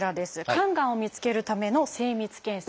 肝がんを見つけるための精密検査。